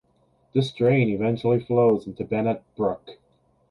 This drain eventually flows into Bennett Brook.